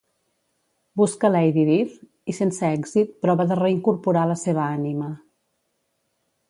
Busca Lady Death i, sense èxit, prova de reincorporar la seva ànima.